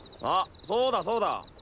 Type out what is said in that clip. あっそうだそうだ。